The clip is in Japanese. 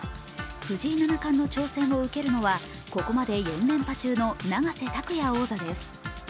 藤井七冠の挑戦を受けるのはここまで４連覇中の永瀬拓矢王座です。